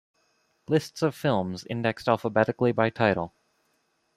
Lists of films indexed alphabetically by title.